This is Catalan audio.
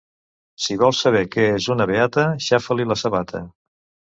Si vols saber què és una beata, xafa-li la sabata.